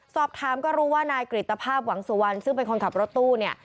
สอบถามก็รู้ว่านายกริตภาพหวังสุวรรณซึ่งเป็นคนขับรถตู้เนี่ย